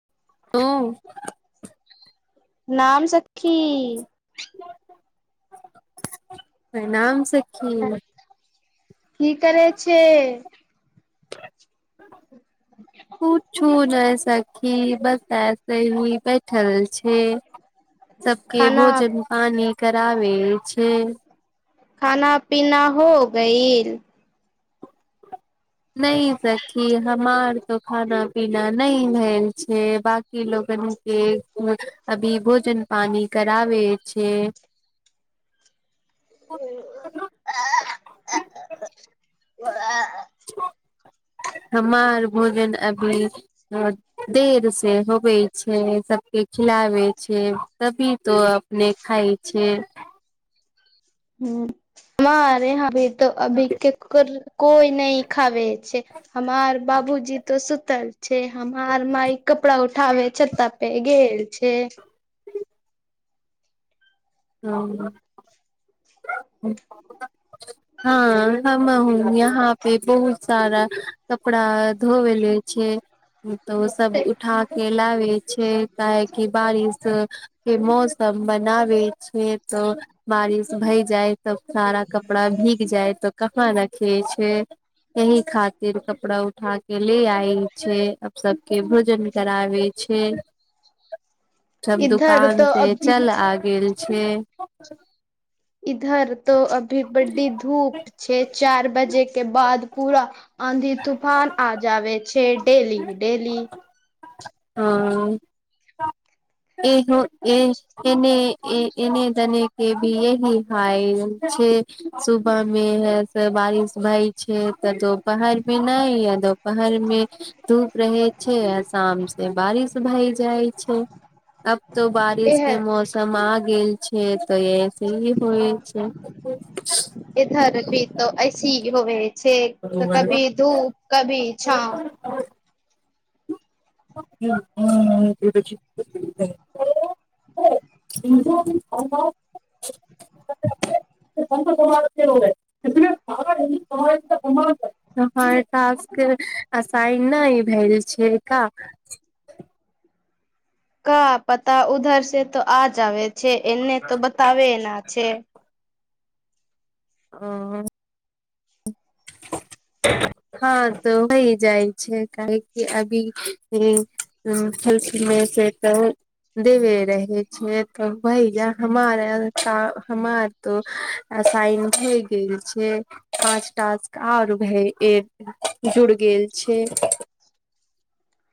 [unintelligible] नाम सखी प्रणाम सखि की करै छै पूछू नहि सखी बस ऐसे ही बैठल छै सबके खाना भोजन पानी कराबे छै खाना पीना हो गईल नहि सखी हमार तो खाना पीना नहि भेल छै बांकी लोगनके अभी भोजन पानी कराबे छै ओ [unintelligible] [unintelligible] हमार भोजन अभी देर से होबे छै सब के खिलाबे छै तभी तो अपने खाइ छै हू हमार यहाँ भी तऽ अभी केकर कोई नाइ खाबे छै हमार बाबूजी त सुतल छै हमार माइ कपड़ा उठाबे छतापे गेल छै हँ हँ हम हु यहाँ पे बहुत सारा कपड़ा धोवेले छै तो ओ सब उठा के लावि हई छै काहेकी बारिश के मौसम बनावै छै तऽ बारिश भइ जाय तब सारा कपड़ा भीग जाय तऽ वहाँ रखियै छै एहि खातिर कपड़ा उठा के ले आयल छै सबके भोजन कराबे छै सब इधर दुकान तो से अभी चला गेल छै इधर तो अभी बडी धूप छै चार बजेके बाद पूरा आंधी तूफान आ जावे छै डेलीके डेली हँ इहो ए एने इने दने के भी यह हइ छै सुबहमे है से बारिश भई छै तऽ दोपहरमे नहि य दुोपहर मे धूप रहे छै आ सामसे बारिश भई जाइ छै तो बारिश के एह मौसम आ गेल छै तऽ ऐसे ही होइ छै इधर पीरत ऐसी होबे छै तऽ कभी धूप कभी छाव [unintelligible] [unintelligible] [unintelligible] हमार टाक्स के आसाइ नहि भेल छै का का पता उधर से तो आ जाबे छै एने तऽ बताबे ना छै अ [unintelligible] हँ तऽ होइ जाइ छै काहेकि अभी ई उ खेलखिन ये से तऽ ओ देबे रहै छिय तऽ भैजा हमार यहाँ हमार तो इन भ गेल छै पाँचटा आर भय एक जुड़ गेल छै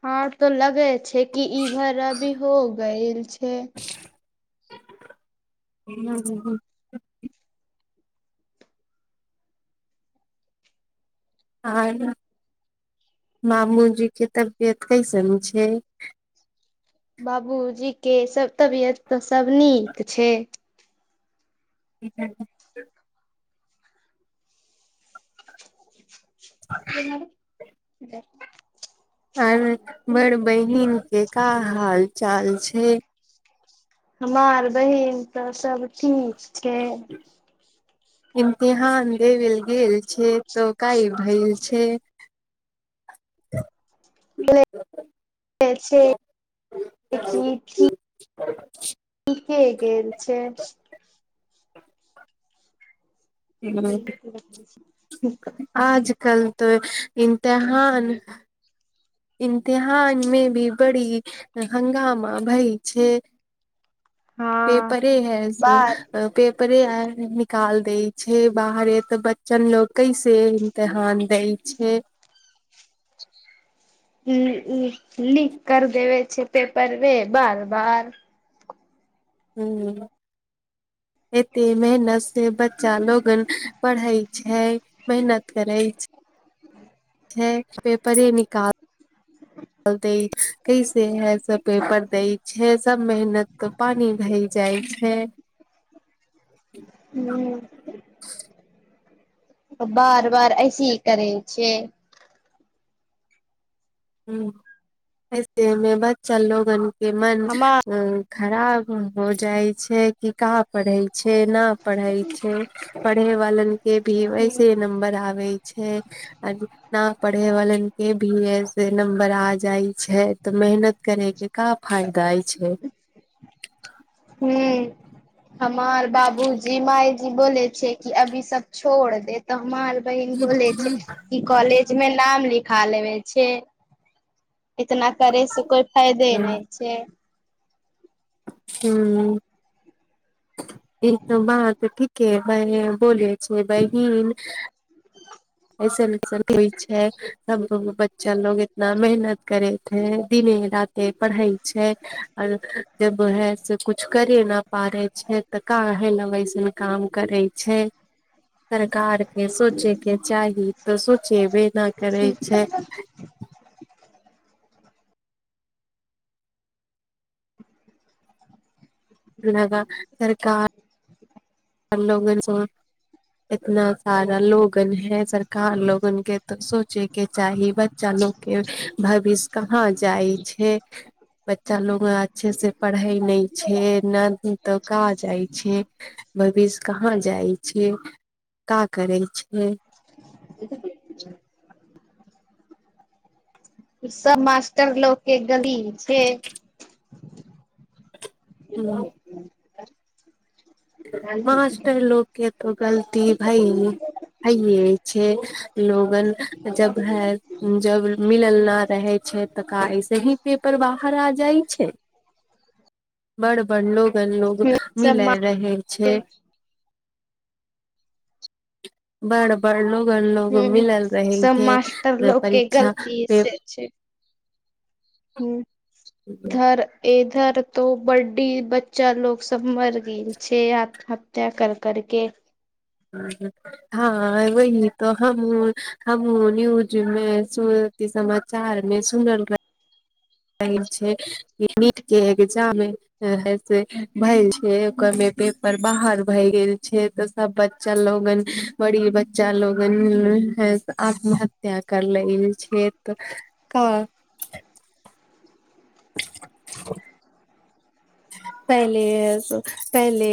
हँ तो लगे छै कि इभर अभी हो गइल छै ह ह ह [unintelligible] मामूजी के तबियत कैसन छै बाबूजी के सब तबियत तऽ सब नीक छै [unintelligible] [unintelligible] आरो बड़ बहिनके का हाल चाल छै हमार बहीन तऽ सभ ठीक छै इम्तहान देब ल गेल छै तऽ काय भेल छै [unintelligible] [unintelligible] ठीके गेल छै [unintelligible] तऽ इमतहान इम्तहान मे भी बड़ी हंगामा भई छै हँ पेपरे है सो बात पे उपरे आ निकाल देय छै बाहर ते बच्चन लोग केसे इम्तहान देय छै लीक कर देबे छै पेपरबे बार बार हू एते मेहनत से बच्चा लोगन पढ़े छै मेहनत करै छै छै पेपरे निकाल दै कैसे है सब पेपर दै छै सब मेहनत कऽ पानी भए जाइत छै हु बार बार ऐसहि करै छै ह ऐसेमे बच्चा लोगन के मन हमार खराब हो जाइ छै कि कहाँ पढ़े छै न पढ़ै छै पढ़े वालन के भी ऐसे नम्बर आबे छै ना पढ़े वाले के भी ऐसे नम्बर आ जाइ छै तऽ मेहनत करे के का फायदाइ छै ह हमार बाबू जी माय बोले छै कि अभी सब छोड़ दे तऽ हमार बहिन बोले छै कि कॉलेज मे नाम लिखा लेबे छै इतना करै से कोइ फायदे नहि छै हू ईत बात ठीके भेय बोले बहिन ऐसन ऐसन होइ छै सब बच्चा लोग इतना मेहनत करे छैे दिने राते पढ़ै छै आरो जबहे से कुछ करे न पारे छै तऽ केहे लै बेसन काम करे छै छै सरकार के सोचे के चाही तऽ सोचेबे ना करै छै लगा सरकार लोगन से इतना सारा लोगन है सरकार लोगन के सोचयके चाही बच्चा लोकके भविष्य कहाँ जाइ छै बच्चा लोग अच्छे से पढ़ै नहि छै न तऽ का जाइ छै भविष्य कहाँ जाइ छै का करै छै [unintelligible] सब मास्टर लोक के गलती छै हँ मास्टर लोक के तो गलती भई हइए छै लोगन जब है जब मिलल न रहै छै तऽ का एहिसँ ही पेपर बाहर आ जाइ छै बड़ बड़ लोगन लोग सब मिल मास्टर रहै छै बड़बड़ लोक लोग ह मिलल रहे सब मास्टर छैे लोग के परीक्षा गलती पे ह घर ए इधर तो बड्डी बच्चा लोग सब मर गेल छै आत्महत्या कर करके हँ वही तऽ हमहु हमहु न्यूजमे सुन समाचार मे सुनल रही छै नीट के एग्जाम है से भेल छै ओकरमे पेपर बाहर भए गेल छै तऽ सब बच्चा लोगन बड़ी बच्चा लोगन ह आत्महत्या कर लेल छै तऽ प [unintelligible] पहले पहले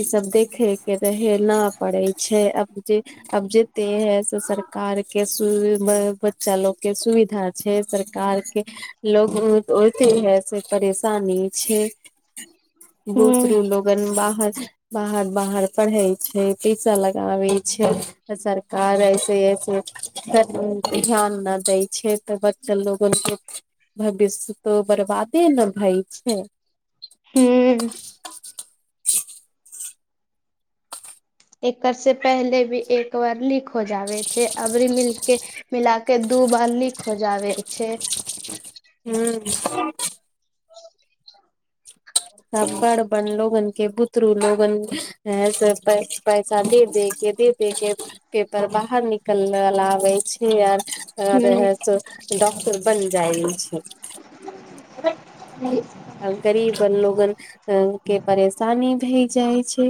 ई सब देखे के रहे न पड़ करै छै अब जे अब जेते है से सरकार के बच्चा लोग के सुविधा छै सरकार के लोग ओते है से परेशानी छै हूँ बूदरू लोगन बाहर बाहर बाहर पढ़ै छै पैसा लगाबै छै तऽ सरकार ऐसे ऐसे ध्यान न दै छै तऽ बच्चल लोगन के भविष्य तो बरबादे ने भय छै हूँ [unintelligible] एकर से पहले भी एक बार लिक हो जाबे छै अबरी मिलकके मिलाके दु तू बार लिक हो जाबे छै हू आ बड़ बन लोगन के बुतरू लोगन आ से पैसा दे दे के दे दे के पेपर बाहर निकलल लाबे छै आर आ रह तो डॉक्टर बन जाइ छै [unintelligible] आ गरीब लोगन अ के परेशानी भए जाइ छै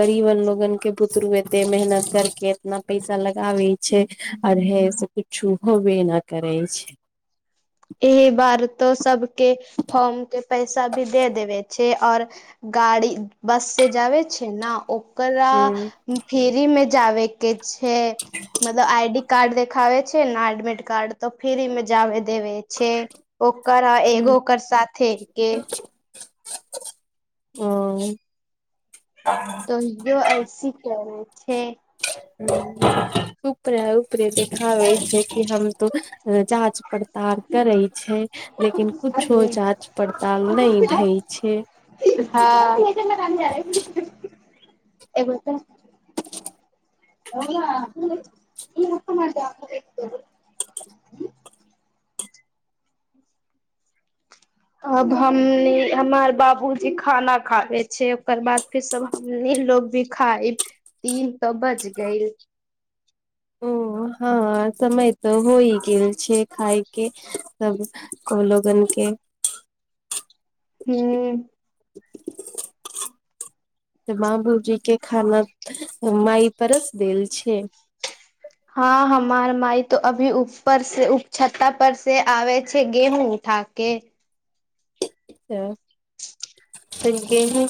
गरीबन लोगन के पुत्रू एते मेहनत कर के एतना पैसा लगाबे छै आर हे से कुछु होबे केना करै छै एहि बार तो सबके फॉर्म के पैसा भी दे देबे छै और गाड़ी बससे जाबै छै ने ओ ओकरा ह फ्री मे जाबे के छै मतलब आई डी कार्ड देखाबे छै ने एडमिट कार्ड तऽ फ्री मे जाबे देबे छै ओ ओकर ह एगो ओकर साथे के ओ तऽ जो ऐसी करै छे चुप रहु ओकरे देखाबै छै कि हम तो जाँच पड़ताल करै छै लेकिन कु कुछो जाँच पड़ताल नहि भय छै हँ एगो त [unintelligible] [unintelligible] आब हमनी हमार बाबूजी खाना खाबे छै ओकर बाद फिर सब हमनी लोग भी खाइ तीन तऽ बज गइल [inaudible] ओ हँ समय तऽ होइ गेल छै खाय के सब को लोग गन के हू [unintelligible] बाबूजी के खाना माइ परस देल छै हँ हमार माय त अभी उपर से उ छ्ता पर से आबै छै गेहूँ उठाके अच्छा त गेहुँ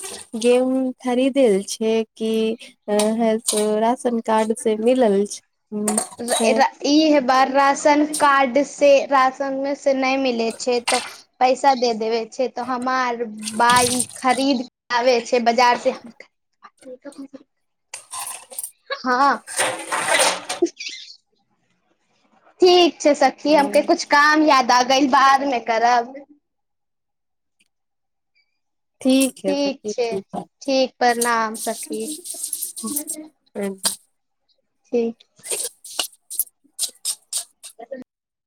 गेहुँ‌ खरीदल छै कि है से राशन कार्ड से मिलल छै ई है बार राशन कार्ड से राशन मे से नहि मिलै छै तऽ पैसा दे देबै छै त हमार बाइ खरीदके आबे छै बाजार से [unintelligible] हँ ठीक छै सखी हमके कुछ काम याद आ गेल बादमे करब ठीक है सखी ठीक ठीक प्रणाम सखी है [unintelligible] ठीक [unintelligible] [unintelligible]